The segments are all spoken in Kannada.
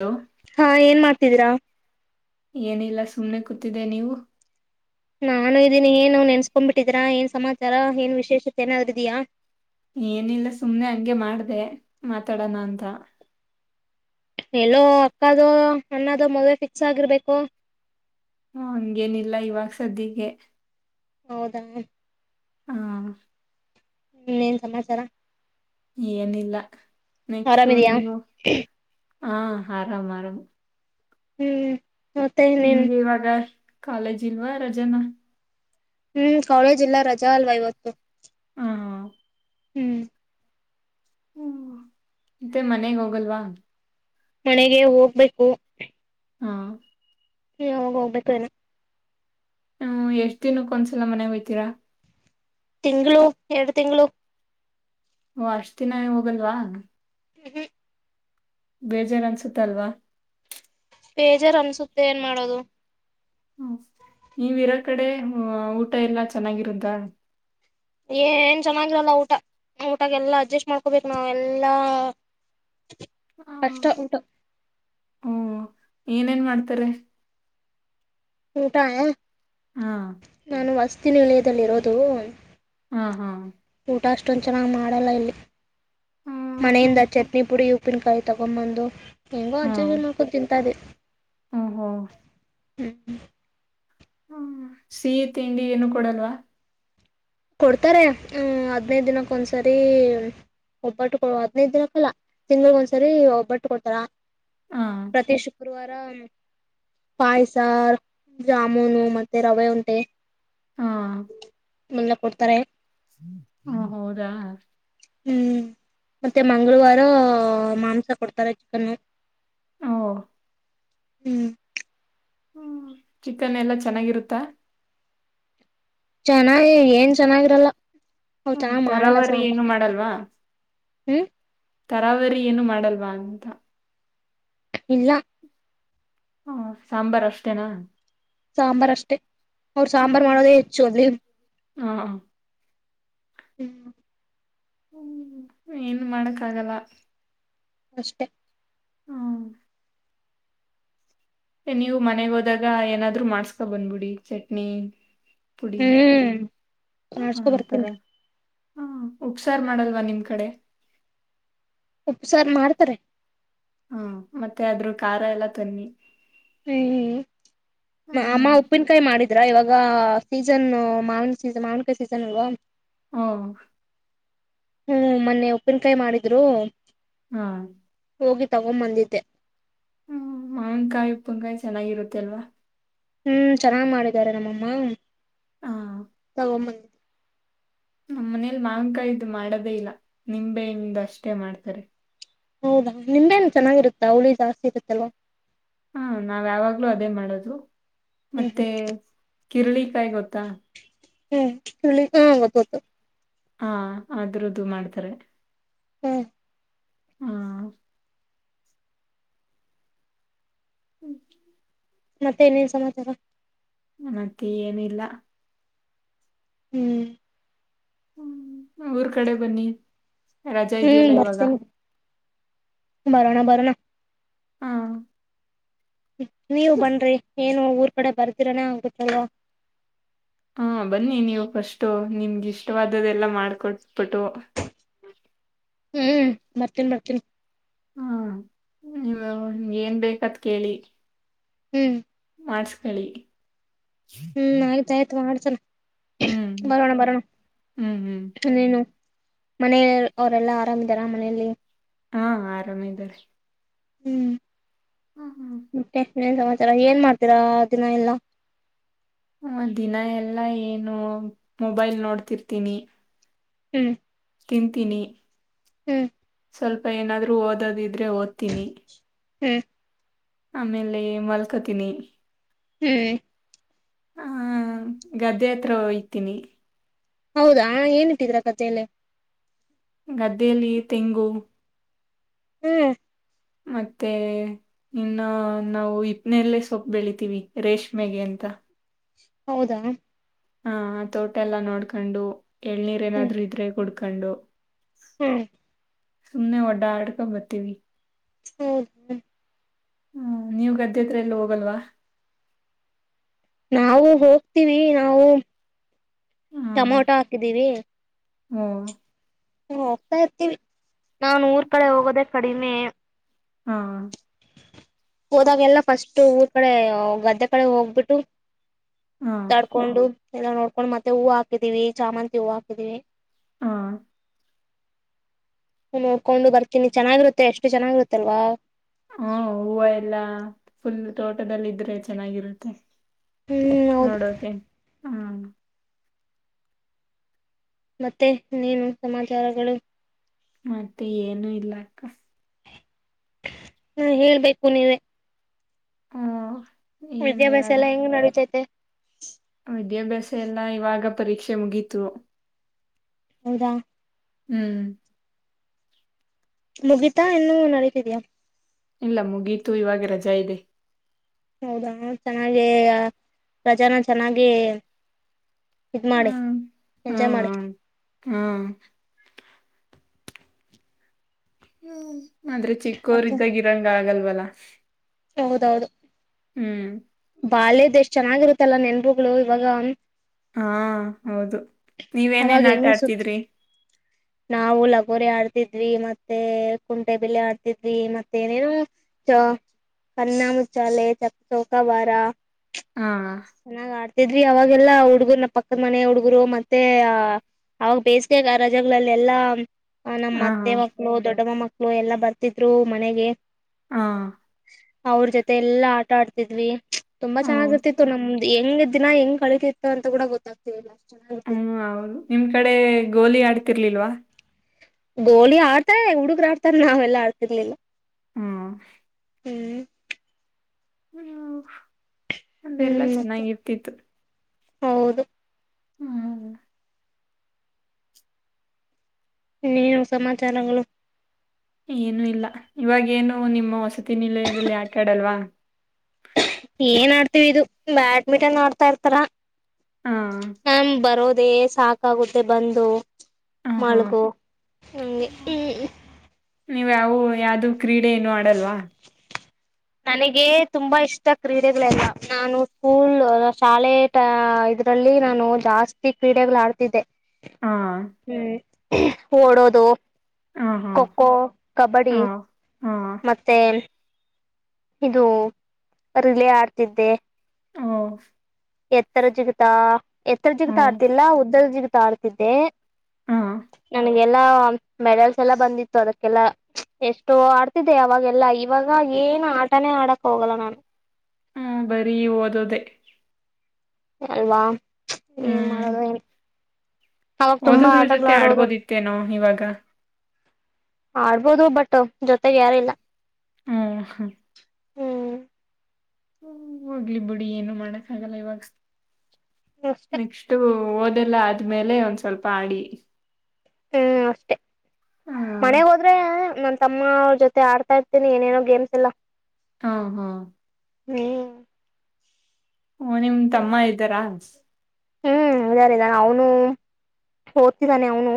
ಹಲೋ ಹಾ ಏನ್ ಮಾಡ್ತಿದೀರಾ. ಏನಿಲ್ಲ ಸುಮ್ಮ್ನೆ ಕೂತಿದೆ ನೀವು ನಾನು ಇದೀಿ ಏನ್ ಅವ್ ನೆನ್ಸ್ಕೊಂಡ್ಬ ಬಿಟ್ಟಿದೀರಾ ಏನ್ ಸಮಾಚಾರ ಏನ್ ವಿಶೇಷತೆ ಏನಾದ್ರು ಇದಯಾ ಏನಿಲ್ಲ ಸುಮ್ನೆ ಹಂಗೆ ಮಾಡ್ದ ಮಾತಾಡೋಣ ಅಂತ ಎಲ್ಲೋ ಅಕ್ಕದೋ ಅನ್ನದೋ ಮದ್ವೆ ಫಿಕ್ಸ್ ಆಗಿರ್ಬೇಕು. ಹ ಹಂಗೇನಿಲ್ಲ ಇವಾಗ ಸ್ದಿಗೆ. ಹೌದಾ ಹಾ ಹ್ಮ ಏನ್ ಸಮಾಚಾರ ಏನಿಲ್ಲ ನೆಕ್ಸ್ಟ್ ಆರಾಮಿದಯಾ ಒಂದು. ಹಾ ಆರಾಮ್ ಆರಾಮ್ ಹ್ಮ್ ಮತ್ತೆ ಇನ್ನೇನ್ ಹಗೆ ಇವಾಗ ಕಾಲೇಜ್ ಇಲ್ವಾ ರಜೆನಾ. ಹ್ಮ್ ಕಳೇಜ್ ಎಲ್ಲ ರಜಾ ಅಲ್ವಾ ಇವತ್ತು. ಹಾ. ಹ್ಮ್ ಹ ಮತ್ತೆ ಮನೆಗೆ ಹೋಗಲ್ವಾ. ಮನೆಗೆ ಹೋಗ್ಬೇಕು. ಹಾ. ನೀ ಹೋಗ ಹೋಗ್ಬೇಕು ಏನು. ಹ್ಮ ಎಷ್ಟ್ ದಿನಕ್ಕ ಒಂದ್ಸಲ ಮನೆಗ ಬ್ತೀರಾ ತಿಂಗಳು ಎರಡು ತಿಂಗಳು. ಓ ಅಷ್ಟ ದಿನ ಹೋಗಲ್ವಾ. ಹ ಬೇಜಾರ ಅನ್ಸುತ್ತಲ್ವಾ. ಬೇಜಾರ್ ಅನ್ಸುತ್ತೆ ಏನ್ ಮಾಡೋದು. ಹ್ಮ ನೀವಿರೋ ಕಡೆ ಊಟ ಎಲ್ಲಾ ಚೆನ್ನಾಗಿರುತ್ತ. ಏ ಏನ್ ಚೆನ್ನಾಗಾಗಿಲಲ್ಲ ಊಟ ಊಟಾಗ ಎಲ್ಲಾ ಅಡ್ಜಸ್ಟ್ ಮಾಡ್ಕೊಬೇಕ ನಾವ ಎಲ್ಲಾ ಆ, ಕಷ್ಟ ಊಟ. ಹ್ಮ್ ಏನೇನ್ ಮಾಡ್ತಾರೆ ಊಟಾ. ಹಾ ನಾನು ವಸ್ತಿನ ದಲ್ಲಿ ಇರೋದು ಹಾ ಹಾ. ಊಟ ಅಷ್ಟೊಂದ ಚೆನ್ನಾಗಿ್ ಮಾಡಲ್ಲ ಇಲ್ಲಿ ಮನೆಯಿಂದ ಚಟ್ನಿ ಪುಡಿ ಉಪ್ಪಿನಕಾಯಿ ತಗೊಂಬಂದು. ಹೆಂಗೋ ಹಾ ಅಜ್ಜ ಮಾಡೋಕೋ ತಿಂತ ಅದೆ. ಓಹೋ [inaudible] ಹ್ಮ ಸಿಹಿ ತಿಂಡಿ ಏನು ಕೊಡಲ್ವಾ. ಕೊಡ್ತಾರೆ ಹದ್ನೈದು ದಿನಕ್ಕ ಒಂದ್ಸರಿ ಒಬ್ಬಟ್ಟು ಕೊ ಹದ್ನೈದ ದಿನಕ್ಕಲ್ಲ ತಿಂಗಳಿಗೊಂದ ಸರಿ ಒಬ್ಬಟ್ಟು ಕೊಡ್ತಾರ. ಹಾ ಪ್ರತಿಷ ಪಾಯ್ಸಾ ಜಾಮೂನು ಮತ್ತೆ ರವೆ ಉಂಟೆ ಹಾ. ವೆಲ್ಲ ಕೊಡ್ತಾರೆ. ಹಾ ಹೌದಾ. ಹ್ಮ್ ಮತ್ತೆ ಮಂಗಳವಾರ ಮಾಂಸ ಕೊಡ್ತಾರ ಚಿಕನ್. ಹ್ಮ್ಮ್. ಹ್ಮ್. ಹ್ಮ ಚಿಕನ್ ಎಲ್ಲಾ ಚೆನ್ನಾಗಿರುತ್ತಾ. ಚೆನ್ನಾಗಿ ಏನ್ ಚೆನ್ನಾಗಿರಲ್ಲ ಅವ್ರು ಹ್ಮ ಚೆನ್ನಾಗಿ ಮಾಡಲ್ಲ ತರಾವರಿ ಏನು ಸಾಂಬಾರು ಮಾಡಲ್ವಾ. ಹ್ಞೂ ತರಾವರಿ ಏನು ಮಾಡಲ್ವಾ ಅಂತ. ಇಲ್ಲ. ಹ ಸಾಂಬಾರ್ ಅಷ್ಟೇನಾ. ಸಾಂಬಾರ್ ಅಷ್ಟೇ ಅವರು ಸಾಂಬಾರ್ ಮಾಡೋದೇ ಹೆಚ್ಚು ಅದ್ರೆ. ಹ್ಮ ಹ್ಮ್. ಹ್ಮ ಏನ್ ಮಾಡಕ್ಕ ಆಗಲ್ಲ ಅಷ್ಟೇ. ಹ್ಮ. ನೀವ್ ಮನೆಗ್ ಹೋದಾಗ ಏನಾದ್ರು ಮಾಡಸ್ಕೊ ಬಂದ್ಬಿಡಿ ಚಟ್ನಿ ಪುಡಿ ಹ್ಮ್ ಮಾಡಸ್ಕೊ ಆತರ ಬರ್ತನ್. ಹಾ ಉಪ್ಸಾರ್ ಮಾಡಲ್ವಾ ನಿಮ್ ಕಡೆ ಉಪಸಾರ ಮಾಡ್ತಾರೆ. ಹಾ ಮತ್ತೆ ಅದ್ರೂ ಖಾರ ಎಲ್ಲ ತನ್ನಿ ಹ್ಮ್ ಹ್ಮ್ ಆಮ್ಮ ಉಪ್ಪನ್ ಕಾಯಿ ಮಾಡ್ ಇದ್ರ ಇವಾಗ ಸೀಸನ್ ಮಾವಿನ ಸೀಸನ್ ಮಾವಿನಕಾಯಿ ಸೀಸನ್ ಅಲ್ವಾ. ಹ್ಮ ಹ್ಮ್ ಮೊನ್ನೆ ಉಪ್ಪಿನಕಾಯಿ ಮಾಡಿದ್ರು. ಹಾ. ಹೋಗಿ ತಗೊಂಬಂದಿದ್ದೆ. ಹ್ಮ ಮಾವಿನ್ಕಾಯಿ ಉಪ್ಪನ್ಕಾಯಿ ಚೆನ್ನಾಗಿರುತ್ತೆಲ್ವಾ. ಹ್ಮ್ ಚೆನ್ನಾಗ್ ಮಾಡಿದ್ದಾರೆ ನಮ್ಮಮ್ಮ ಹಾ ತಗೊ್ ಬಂದಿದಿ ನಮ್ಮ ಮನೇಲಿ ಮಾವನ್ಕಾಯಿದು ಮಾಡದೇ ಇಲ್ಲ ನಿಂಬೆಯಿಂದ ಅಷ್ಟೇ ಮಾಡ್ತಾರೆ. ಹೌದಾ ನಿಂಬೆನು ಚೆನ್ನಾಗಿರುತ್ತಾ ಹುಳಿ ಜಾಸ್ತಿ ಇರುತ್ತಲ್ವಾ. ಹಾ ನಾವ್ ಯಾವಾಗ್ಲೂ ಅದೇ ಮಾಡೋದು. ಹ್ಮ್ ಹ್ಮ್ ಮತ್ತೆ ಕಿರುಳಿ ಕಾಯ ಗೊತ್ತ ಹ್ಮ್ ಚಳಿ ಕಾಯಿ ಗೊತ್ತು ಹಾ ಆದ್ರದು ಮಾಡ್ತಾರೆ. ಹ್ಮ್. ಹ್ಮ ಹ್ಮ. ಮತ್ತೆ ಏನ್ ಸಮಾಚಾರ. ಮತ್ತೆ ಏನಿಲ್ಲ ಹ್ಮ್. ಹ್ಮ ಊರ್ ಕಡೆ ಬನ್ನಿ. ರಜಾ ಹ್ಮ್ ಇದ್ಯಲ್ಲ ಇವಾಗ. ಬರ್ತೇನೆ ಬರೋಣ ಬರೋಣ. ಹಾ ನೀವು ಬನ್್ರಿ ಏನು ಊರ್ ಕಡೆ ಬರ್ತೀರನೇ ಆಗುತ್ತಯ. ಹಾ ಬನ್ನಿ ನೀವು ಫಸ್ು ನಿಮ್ಗೆ ಇಷ್ಟವಾದ್ದಲ್ಲ ಮಾಡ್ಕೊಟ್ಬಿಟ್ಟು. ಹ್ಮ್ ಬರ್ತೀನ್ಿ ಬರ್ತೀನ್ಿ. ಹ್ಮ್. ಹ ಏನ್ ಬೇಕತ್. ಕೇಳಿ. ಹ್ಮ್ ಮಾಡ್ಿಸಕೊಳ್ಳಿ. ಹ್ಮ್ ಆಯ್ತ ಆಯ್ತ್ ಮಾಡ್ ಸನಾ ಹ್ಮ್ ಬರೋಣ ಬರೋಣ ಹ್ಮ್ ಹ್ಮ್ ನೀನು. ಮನೆ ಅವ್ರೆಲ್ಲಾ ಆರಾಮಿದಾರ ಮನೆಯಲ್ಲಿ ಹಾ ಆರಾಮಿದಾರ್ ರೀ ಹ್ಮ್. ಮತ್ತೆ ಏನ್ ಸಮಚ್ ರ ಏನ್ ಮಾಡ್ತೀರಾ ದಿನ ಎಲ್ಲಾ ಹ ದಿನ ಎಲ್ಲಾ ಏನು ಮೊಬೈಲ್ ನೋಡ್ತಿರ್ತೀನಿ. ಹ್ಮ್. ತಿಂತೀನಿ ಹ್ಮ್. ಸ್ವಲ್ಪ ಏನಾದ್ೂ ಓದದ ಇದ್ ದ್ರೆ ಓದ್ತೀನಿ. ಹ್ಮ್. ಆಮೇಲೆ ಮಲ್ಕತೀನಿ ಹ್ಮ್. ಹಾ ಗದ್ದ್ಯ ಹತ್ರ ಹೊಯ್ತೀನಿ. ಹೌದಾ ಏನ್ಿಟ್ಟಿದ್ರ ಗದ್ದೆಯಲ್ಲಿ ಗದ್ದೆಯಲ್ಲಿ ತೆಂಗು ಹು ಹ್ಮ್. ಮತ್ತೆ ಇನ್ನ ನಾವು ಇಪ್ನೇಲ್ಲೇ ಸೊಪ್ಪ ಬೆಳಿತೀವಿ ರಷ್ಮೆಗೆ ಅಂತ. ಹೌದಾ. ಹಾ ಆ ತೋಟ ಎಲ್ಲ ನೋಡ್ಕೊಂಡು. ಎಳ್ನರ್ ಹ್ಮ್ ಏನಾದ್ರು ಇದ್ರೆ ಕುಡುು ಕಂಡು ಹ್ಮ್ ಸುಮನೆ ಒಡ್ಡಾ ಅಟಕ ಬತ್ವಿ ಹ್ಮರಿ ಹ್ಮ. ಹ್ಮ್ ನೀವ್ ಗದ್ದೆ ಹತ್ರ ಎಲ್ಲ ಹೋಗಲ್ವಾ ನಾವು ಹೋಗ್ತೀವಿ ನಾವು ಟಮೊಟೊ ಹಾಕಿದೀವಿ ಹ್ಮ್ ಹ ಹೋಗ್ತಾ ಇರ್ತೀವಿ. ನಾನ್ ಊರ್ ಕಡೆ ಹೋಗೋದೇ ಕ. ಅಡಿನೇ. ಹಾ. ಹೋದಾಗೆಲ್ಲ ಫಸ್ಟ್ ಊರ್ ಕಡೆ ಗದ್ದೆ ಕಡೆ ಹೋಗ್ಬಿಟ್ಟು. ಹಾ ತಡ್ಕೊಂಡು. ಎಲ್ಲ ನೋಡ್ಕೊಂಡು ಮತ್ತೆ ಹೂವು ಹಾಕಿದೀವಿ ಚಾಮಂತಿ ಹೂವು ಹಾಕಿದ್ದೀವಿ ಹಾ. ನೋಡ್ಕೊಂಡು ಬರ್ತೀನಿ ಚೆನ್ನಾಗಿರುತ್ ಮ ಎಷ್ಟು ಚೆನ್ನಾಗಿರುತ್ತಲ್ವಾ ಹ್ಮ ಹೂವು ಎಲ್ಲಾ ಫುಲ್ ತೋಟದದಲ್ಲಿ ಇದ್ರೆ ಚೆನ್ನಾಗಿರುತ್ತೆ ಹ್ಮ್ ಹೌದು ನೋಡೋಕೆ ಹ್ಮ. [inaudible] ಮತ್ತೆ ನೀನು ಸಮಾಚಾರಗಳು ಮತ್ತೆ ಏನು ಇಲ್ಲಕ್ಕ. ಹು ಹೇಳ್ಬೇಕು ನೀವೇ ಹ್ಮ ವಿದ್ಯಾಭ್ಯಾಸ ಎಲ್ಲಾ ಹೆಂಗ್ ನಡತೈತೆ. ವಿದ್ಯಾಭ್ಯಾಸ ಎಲ್ಲ ಇವಾಗ ಪರೀಕ್ಷೆ ಮುಗೀತು ಹೌದಾ ಹ್ಮ್ ಮುಗಿತಾ ಇನ್ನುೂ ನಡತಿದಯ. ಇಲ್ಲ ಮುಗೀತು ಇವಾಗ ರಜಾ ಇದೆ. ಹೌದಾ ಚೆನ್ನಾಗ ಪ್ರಜನ ಚೆನ್ನಾಗಿ. ಇದ್ ಮಾಡ ಹ್ಮ್ ಎಂಜಾಯ್ ಮಾಡ್ ಹ್ಮ್ ಹ್ಮ್ ಹ್ಮ್. ಆದಂದ್ರೆ ಮತ್ತೆ ಚಿಕ್ಕೋರ್ದ್ದಾಗ ಗಿರಂಗ ಆಗಲ್ವಲ್ಲ. ಹೌದೌದು. ಹ್ಮ್ ಬಾಲ್ಯದ್ ಎಷ್ಟ್ ಚೆನ್ನಾಗಿರುತ್ತಲ್ಲಾ ನೆನ್ಪುಗಳು ಇವಾಗ ಹಾ ಹೌದು. ಅವಾಗ ನೀವೇನೇನ್ ಆಟ ಹೆಂಗ್ ಸು ಆಡ್ತಿದ್ರಿ ನಾವು ಲಗೋರಿ ಆಡ್ತಿದ್ವಿ ಮತ್ತೆ ಕುಂಟೆಬಿಲ್ಲೆ ಆಡ್ತಿದ್ವಿ ಮತ್ತೆ ಏನೇನು ಚ ಕನ್ನಾ ಮುಚ್ಚಾಲೆ ಚ ಚೌಕಾಬಾರ ಹಾ ಇದ ಇದ್ವಿ ಅವಾಗಲ್ಲ ಹುಡುಗರನ ಪಕ್ಕದ ಮನೆ ಹುಡುಗರು ಮತ್ತೆ ಆ ಅವಾಗ ಬೇಸಿಗೆ ರಜೆಗಳಲ್ಲಿ ಎಲ್ಲಾ. ನಮ್ಮ್ ಹಾ ಮತ್ತೆ ಹಾ ಮಕ್ಕಳು ದೊಡ್ಡಮ್ಮ ಮಕ್ಕಳು. ಎಲ್ಲಾ ಬರ್ತಿದ್ರು ಮನೆಗೆ.. ಹಾ ಅವ್ರ ಜೊತೆ ಎಲ್ಲಾ ಆಟ ಆಡ್ತಿದ್ವಿ. ತುಂಬಾ ಚೆನ್ನ್ತಿತ್ತು ನಮ್ದ ಹೆಂಗ್ ದಿನ ಹೆಂಗ್ ಕಳಿತಿತ್ತು ಅಂತ ಕೂಡ ಗೊತ್ತಾಗ್ತಿರ್ಲಾ ಅಷ್ಟ್ ಚೆನ್ನಾಗ್ ಹ್ಮ್ ಹೌದು ನಿಮ್ ಕಡೆ ಗೋಲಿ ಆಡ್ತಿರ್ಲಿಲ್ವಾ ಗೋಲಿ ಆಡ್ತಾರೆ ಹುಡುಗ್ರು ಆಡ್ತಾರ್ ನಾವೆಲ್ಲಾ ಆಡ್ತಿರ್ಲಿಲ್ಲ ಹ್ಮ ಮ್ಮ್ ಹ್ಮ. ಬೆಲ್ಲ ಹ್ಮ್ ಮತ್ತೆ ಚೆನ್ನಾಗಿರ್ತಿತ್ತು ಹೌದು ಹ್ಮ್. ಇನ್ನನು ಸಮಾಚಾರಗಳು ಏನು ಇಲ್ಲ ಇವಾಗ ಏನು ನಿಮ್ಮ ವಸತಿ ನಿಲಯದಲ್ಲಿ ಆಟಡಲ್ವಾ ಏನ್ ಆಡ್ತೀವಿ ಇದು ಬ್ಯಾಡ್ಮಿಂಟನ್ ಆಡ್ತಾ ಇರ್ತಾರ. ಹಾ ಹ್ ಬರೋದೇ. ಸಾಕಾಗುತ್ತೆ ಬಂದು ಹಾ ಹಾ ಮಾಳಗೋ ಸುಮ್ನೆ ಹ್ಮ್. ನೀವು ಯಾವವು ಯಾವ್ದು ಕ್ರೀಡೆ ಏನು ಆಡಲ್ವಾ. ನನಗೆ ತುಂಬಾ ಇಷ್ಟ ಕ್ರೀಡೆಗಳೆಲ್ಲ ನಾನು ಸ್ಕೂಲ್ ಶಾಲೆ ಇದ್ರಲ್ಲಿ ನಾನು ಜಾಸ್ತಿ ಕ್ರೀಡೆಗಳು ಆಡ್ತಿದ್ದೆ ಹಾ ಹ್ಮ್ ಓಡೋದು ಹಾ ಹಾ ಖೋ ಖೋ ಕಬಡ್ಡಿ ಹಾ ಹಾ ಮತ್ತೆ ಇದು ಅ ರಿಲೆ ಆಡ್ತಿದ್ದೆ ಹ್ ಎತ್ತರ ಜಿಗತಾ ಎತ್ತರ ಜಿಗಿತ ಹ್ಮ್ ಆಗ್ತಿಲ್ಲ ಉದ್ದದ ಜಿಗಿತ. ಆಡ್ತಿದ್ದೆ ಹಾ ನನ್ಗೆಲ್ಲಾ ಮೆಡಲ್ಸ್ ಎಲ್ಲಾ ಬಂದಿತ್ತು ಅದಕ್ಕೆಲ್ಲ ಎಷ್ಟು ಆಡ್ತಿದ್ದೆ ಅವಾಗೆಲ್ಲಾ ಇವಾಗ ಏನು ಆಟಾನೇ ಆಡಕ್ ಹೋಗಲ್ಲ ನಾನು. ಹ್ಮ ಬರಿ ಓದೋದೇ. ಅಲ್ವಾ ಏನ್ ಮಾಡದ ಏನ್ ಅವಾಗ ತುಂಬಾ ಓದದ್ರ ಆಟಗಳು ಜೊತೆ ಆಡೋದು ಆಡ್ಬೋದಿತ್ತೇನೋ ಇವಾಗ ಆಡ್ಬೋದು ಬಟ್ ಜೊತೆಗೆ ಯಾರು ಇಲ್ಲ. ಹ ಹಾ ಹ್ಮ್ ಹೋಗ್ಲಿ ಬಿಡಿ ಏನು ಮಾಡಕ್ ಆಗಲ್ಲ ಇವಾಗ. ಅಷ್ಟೆ ನೆಕ್ಸ್ಟ ಓದೆಲ್ಲ ಅದ ಒದ್ಮೇಲೆ ಒಂದ್ ಸ್ವಲ್ಪ ಆಡಿ. ಹ್ಮ್ ಅಷ್ಟೆ. ಹ ಮನೆಗ್ ಹೋದ್ರೆ ನನ್ನ ತಮ್ಮ ಅವರ ಜೊತೆ ಆಡ್ತಾ ಇರ್ತೀನಿ ಏನೇನೋ ಗೇಮ್ಸ್ ಎಲ್ಲಾ. ಹಾ ಹಾ ಹ್ಮ್ ಓ ನಿಮ್ಮ ತಮ್ಮ ಇದ್ದಾರಾ. ಹ್ಮ್ ಇದ್ದಾರೆ ಇದ್ದಾರೆ ಅವನು ಓದ್ತಿದ್ದಾನೆ ಅವನು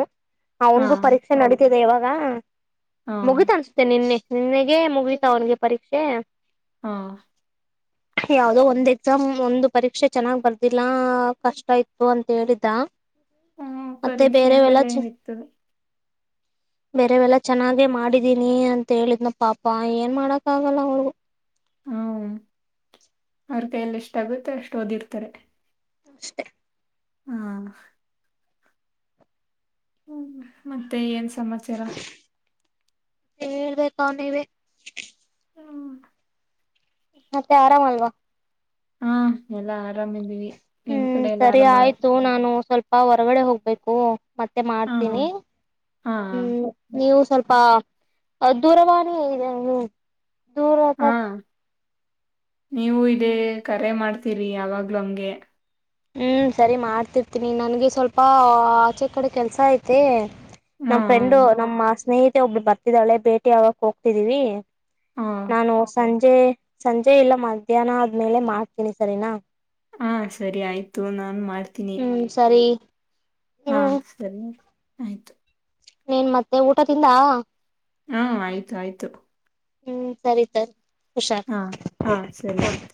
ಹಾ ಅವನಿಗೂ ಪರೀಕ್ಷೆ ನಡಿತಿದೆ ಇವಾಗ. ರ್ ಹಾ ಮುಗುತ್ ಅನ್ಸ್ತೆನೆ ನಿನ್ನೆ. ನಿನ್ನಗೆ ಮುಗಿತಾ ಅವನ್ಗೆ ಪರೀಕ್ಷೆ ಹಾ ಯಾವವುದೋ ಒಂದ್ ಎಕ್ಸಾಮ್ ಒಂದು ಪರೀಕ್ಷೆ ಚೆನ್ನಾಗಿ ಬರ್ದಿಲ್ಲ. ಕಷ್ಟ ಇತ್ತು ಅಂತ ಹೇಳಿದ್ದ ಹ್ಮ ಮತ್ತೆ ಪರೀಕ್ಷೆನ್ ಬೇರೆವೆಲ್ಲ ಮೇಲೆ ಆಯ್ತದೆ ಬೇರೆವೆಲ್ಲ ಚೆನ್ನಾಗೆ ಮಾಡಿದ್ದೀನಿ ಅಂತಾ ಹೇಳಿದ್ನ ಪಾಪ ಏನ್ ಮಾಡಕ್ಕ ಆಗಲ್ಲ ಅವ್ರಿಗು. ಹ್ಮ ಅವ್ರ ಕೈಯಲ್ಲಿ ಎಷ್ಟ ಆಗುತ್ತೆ ಅಷ್ಟು ಓದಿರ್ತಾರೆ ಅಷ್ಟ ಹ್ಮ ಹ್ಮ್ ಮತ್ತೆ ಏನ್ ಸಮಾಚಾರ ಹೇಳ್ಬೇಕು ಅವ ನೀವೇ ಮತ್ತೆ ಆರಾಮ ಅಲ್ವಾ. ಹಾ ಎಲ್ಲಾ ಆರಾಮಿದ್ದೀವಿ. ಹ್ಮ್ ಸರಿ ಆಯ್ತು ನಾನು ಸ್ವಲ್ಪ ಹಾ ಹೊರಗಡೆ ಹೋಗ್ಬೇಕು ಮತ್ತೆ ಹ ಮಾಡ್ತೀನಿ ಹಾ ಹಾ ಹ್ಮ್ ನೀವು ಸ್ವಲ್ಪ. ಅ ದೂರವಾಣಿ ದೆ ದೂರತ ಹಾ ನೀವು ಇದೇ ಕರೆ ಮಾಡ್ತೀರಿ ಯಾವಾಗ್ಲಂಗೆ ಹ್ಮ್ ಸರಿ ಮಾಡ್ತಿರ್ತೀನಿ ನನ್ಗೆ ಸ್ವಲ್ಪ ಆಚೆ ಕಡೆ ಕೆಲ್ಸ ಐತೆ. ಹಾ ನಮ್ಮ್ ಫ್ರೆಂಡು ನಮ್ಮ ಸ್ನೇಹಿತ್. ಒಬ್ಳು ಬರ್ತಿದಾಳೆ ಭೇಟಿ ಆಗಕಕ್ ಹೋಗ್ತಿದೀವಿ ಹಾ ನಾನು ಸಂಜೆ ಸಂಜೆ ಸಂಜೆ ಎಲ್ಲ ಮಧ್ಯಾಹ್ನ ಆದ್ಮೇಲೆ ಮಾಡ್ತೀನಿ ಸರಿ ನಾ ಹಾ ಸರಿ ಆಯ್ತು ನಾನ್ ಮಾಡ್ತೀನಿ ಹ್ಮ್ ಸರಿ ಹಾ ಹ್ಮ್ ಸರಿ ಆಯ್ತು ನೀನ್ ಮತ್ತೆ ಊಟದಿಂದ ಹ್ಮ್ ಆಯ್ತು ಆಯ್ತು ಹ್ಮ್ ಸರಿ ಸರಿ ಹುಷಾರ್ ಹಾ ಹಾ ಸರಿ ಆಯ್ತು.